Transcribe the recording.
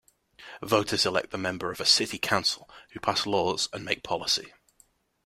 Voters elect the members of a city council, who pass laws and make policy.